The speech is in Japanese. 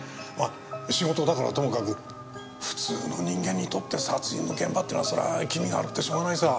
仕事だからともかく普通の人間にとって殺人の現場っていうのはそりゃ気味が悪くてしょうがないさ。